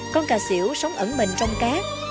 con cà xỉu sống ẩn mình trong cát